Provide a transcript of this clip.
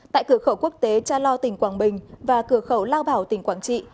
tại cửa khẩu quốc tế cha lo tỉnh quảng bình và cửa khẩu lao bảo tỉnh quảng trị